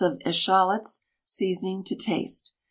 of eschalots, seasoning to taste.